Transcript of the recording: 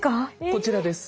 こちらです。